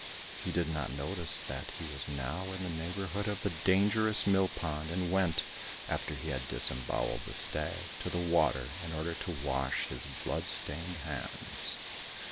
He did not notice that he was now in the neighbourhood of the dangerous mill pond, and went, after he had disembowelled the stag, to the water, in order to wash his blood stained hands.